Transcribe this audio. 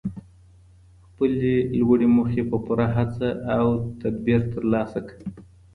خپلي لوړي موخي په پوره هڅه او تدبير ترلاسه کړه.